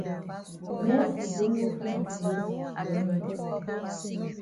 Mercy don go find yi place shidon yi.